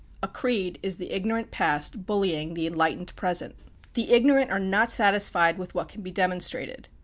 A creed is the ignorant Past bullying the enlightened Present. The ignorant are not satisfied with what can be demonstrated.